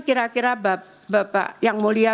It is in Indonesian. kira kira bapak yang mulia